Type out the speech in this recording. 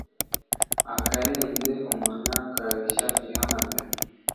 Akarenze umunwa karushya ihamagara.